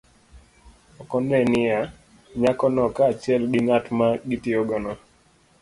Ok one niya, nyako no kaachiel gi ng'at ma gitiyogo